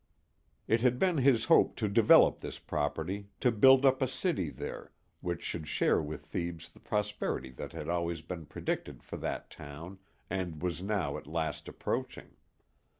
It had been his hope to develop this property, to build up a city there, which should share with Thebes the prosperity that had always been predicted for that town, and was now at last approaching.